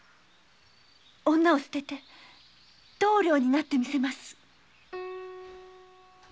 女を捨てて棟梁になってみせます！